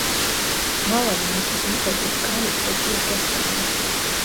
მრავალი მითის მიხედვით კალიფსო კირკეს დაა.